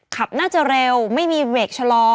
ขับน่าจะเร็วไม่มีเบรกชะลอ